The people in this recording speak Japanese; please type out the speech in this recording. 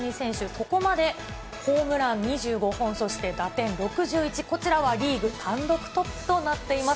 ここまでホームラン２５本、そして打点６１、こちらはリーグ単独トップとなっています。